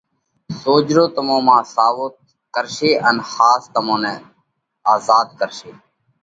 سوجھرو تمون مانه ۿاس ساوَو ڪرشي، ان ۿاس تمون نئہ آزاڌ ڪرشي۔